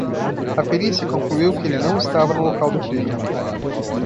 A perícia concluiu que ele não estava no local do crime